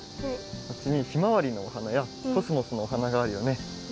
あっちにひまわりのお花やコスモスのお花があるよね。